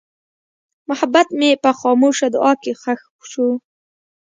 محبت مې په خاموشه دعا کې ښخ شو.